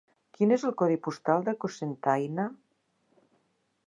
Quin és el codi postal de Cocentaina?